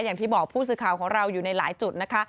อย่างที่บอกผู้สื่อข่าวของเราอยู่ในหลายจุดนะคะ